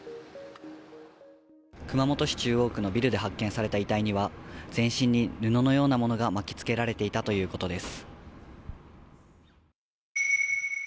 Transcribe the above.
熊本市中央区のビルで発見された遺体には、全身に布のようなものが巻きつけられていたということです。